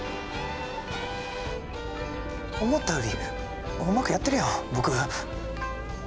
思ったよりうまくやってるやん僕。